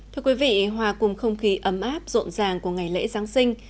thưa quý vị hòa cùng không khí ấm áp rộn ràng của ngày lễ giáng sinh